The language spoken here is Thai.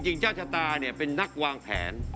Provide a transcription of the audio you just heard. เจ้าชะตาเนี่ยเป็นนักวางแผน